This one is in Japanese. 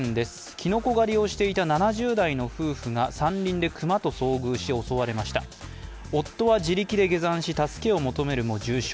きのこ採りをしていた７０代の夫婦が山林で熊と遭遇して襲われました、夫は自力で下山し、助けを求めるも重傷。